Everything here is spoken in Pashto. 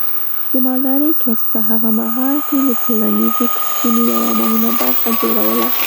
د مالدارۍ کسب په هغه مهال کې د ټولنیزو کسبونو یوه مهمه برخه جوړوله.